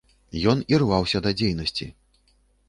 Ён ірваўся да дзейнасці.